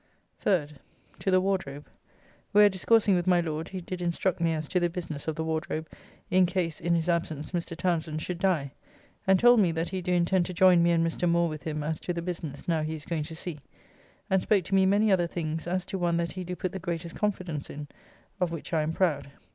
3rd. To the Wardrobe, where discoursing with my Lord, he did instruct me as to the business of the Wardrobe, in case, in his absence, Mr. Townsend should die, and told me that he do intend to joyne me and Mr. Moore with him as to the business, now he is going to sea, and spoke to me many other things, as to one that he do put the greatest confidence in, of which I am proud.